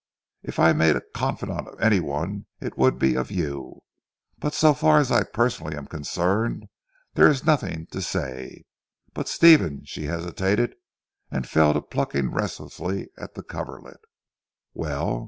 If I made a confidant of anyone it would be of you. But so far as I personally am concerned there is nothing to say. But Stephen " she hesitated and fell to plucking restlessly at the coverlet. "Well!